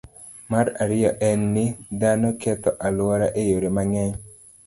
Mar ariyo en ni, dhano ketho alwora e yore mang'eny.